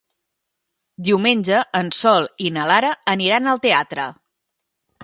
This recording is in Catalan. Diumenge en Sol i na Lara aniran al teatre.